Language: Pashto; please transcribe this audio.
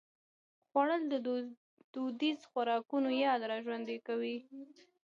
خوړل د دودیزو خوراکونو یاد راژوندي کوي